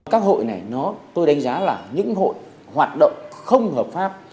các hội này tôi đánh giá là những hội hoạt động không hợp pháp